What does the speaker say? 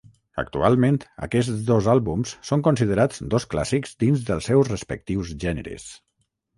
Actualment aquests dos àlbums són considerats dos clàssics dins dels seus respectius gèneres.